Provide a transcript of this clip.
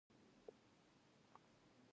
افغانستان د انګور د ساتنې لپاره قوانین لري.